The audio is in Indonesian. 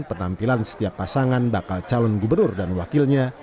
penampilan setiap pasangan bakal calon gubernur dan wakilnya